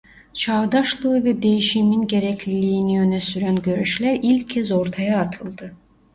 Çağdaşlığı ve değişimin gerekliliğini öne süren görüşler ilk kez ortaya atıldı.